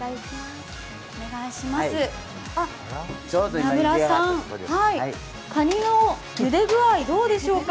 宮村さん、かにのゆでぐあいどうでしょうか？